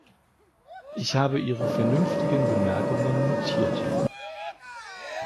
Ich habe ihre vernünftigen Bemerkungen notiert.